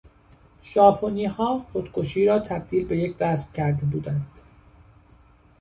ژاپنیها خودکشی را تبدیل به یک رسم کرده بودند.